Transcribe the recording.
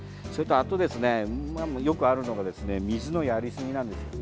あと、よくあるのが水のやりすぎなんですね。